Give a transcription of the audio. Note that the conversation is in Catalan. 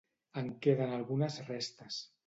En queden algunes restes.